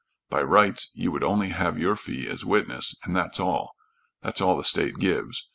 By rights you would only have your fee as witness, and that's all. That's all the state gives.